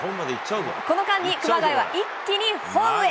この間に熊谷は一気にホームへ。